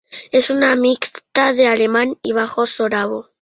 Es una mixta de alemán y bajo sorabo.